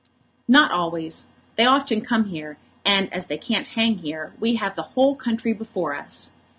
"Not always. They often come here, and as they can't hang here, we have the whole country before us.